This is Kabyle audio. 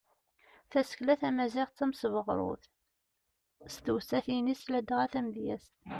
Tasekla tamaziɣt d tamesbeɣrut s tewsatin-is ladɣa tamedyazt.